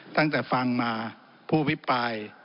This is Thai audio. ตั้งแต่ฟังมาผู้อภิปราย